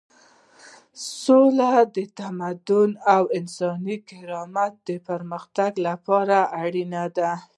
سوله د تمدن او انساني کرامت د پرمختګ لپاره اړینه ده.